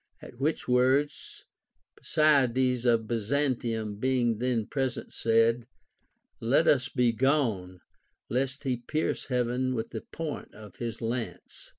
At which Avords, Pasiades of Byzantium being then present said, Let us be gone, lest he pierce heaven with the point of his lance.